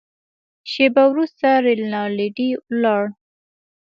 شېبه وروسته رینالډي ولاړ.